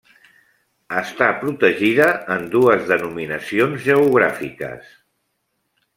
Està protegida en dues denominacions geogràfiques: